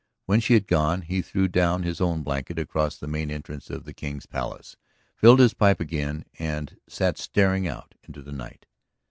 When she had gone, he threw down his own blanket across the main entrance of the King's Palace, filled his pipe again, and sat staring out into the night.